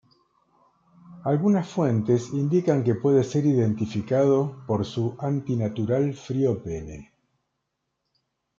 Algunas fuentes indican que puede ser identificado por su antinatural frío pene.